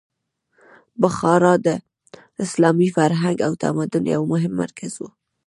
بخارا د اسلامي فرهنګ او تمدن یو مهم مرکز و.